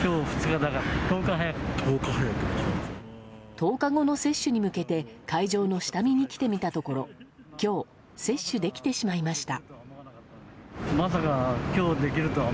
１０日後の接種に向けて会場の下見に来てみたところ今日、接種できてしまいました。